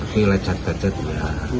tapi lecat lecat ya